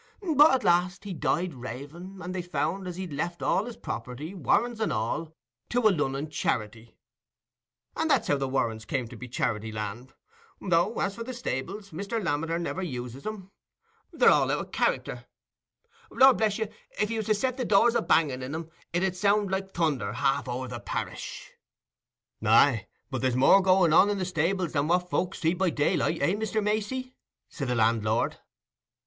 But at last he died raving, and they found as he'd left all his property, Warrens and all, to a Lunnon Charity, and that's how the Warrens come to be Charity Land; though, as for the stables, Mr. Lammeter never uses 'em—they're out o' all charicter—lor bless you! if you was to set the doors a banging in 'em, it 'ud sound like thunder half o'er the parish." "Aye, but there's more going on in the stables than what folks see by daylight, eh, Mr. Macey?" said the landlord.